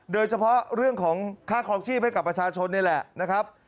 โดยเฉพาะเรื่องของค่าครองชีพให้กับประชาชนนี่แหละนะครับ